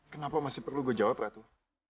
kenapa masih perlu gue jawab ratu